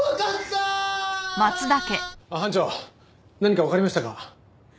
班長何かわかりましたか？